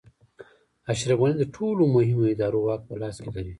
اشرف غني د ټولو مهمو ادارو واک په لاس کې لري.